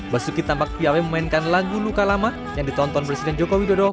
basuki tampak piawe memainkan lagu luka lama yang ditonton presiden joko widodo